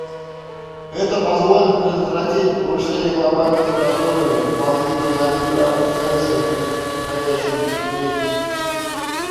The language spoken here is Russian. Это позволит предотвратить повышение глобальной температуры дополнительно на один градус Цельсия в предстоящие десятилетия.